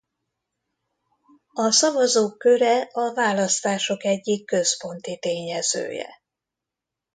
A szavazók köre a választások egyik központi tényezője.